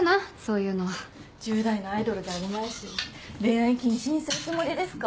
１０代のアイドルじゃあるまいし恋愛禁止にするつもりですか？